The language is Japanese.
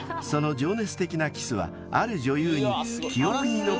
［その情熱的なキスはある女優に］